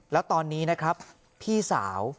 แล้วตอนนี้นะครับพี่สาว